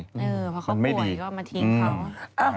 เพราะเขาป่วยก็มาทิ้งเขา